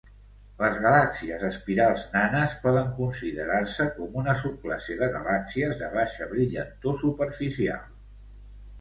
Les galàxies espirals nanes poden considerar-se com una subclasse de galàxies de baixa brillantor superficial.